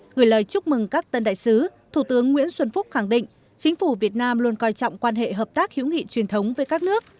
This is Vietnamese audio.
gửi lời chúc mừng các tân đại sứ thủ tướng nguyễn xuân phúc khẳng định chính phủ việt nam luôn coi trọng quan hệ hợp tác hữu nghị truyền thống với các nước